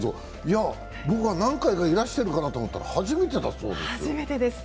僕は何回かいらしてるかなと思ったら初めてだそうです。